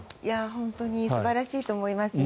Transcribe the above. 本当に素晴らしいと思いますね。